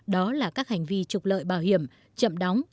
đó là các hành vi trục lợi bảo hiểm chậm đóng